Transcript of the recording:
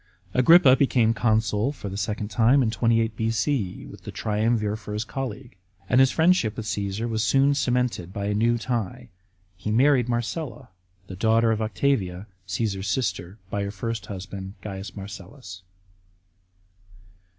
Agrippa became consul for the second time in 28 B.O., with the triumvir for his colleague; and his friendship with Caesar was soon cemented by a new tie. He married Marcella, the daughter of Octavia, Caasar's sister, by her first husband, C. Marcellus.